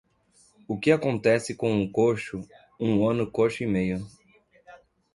O que acontece com um coxo, um ano coxo e meio.